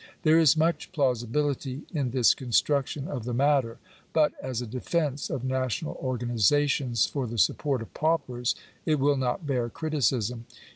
There is much plausibility in this construction of the matter. But as a defence of national organizations for the support of paupers, it will not bear criticism.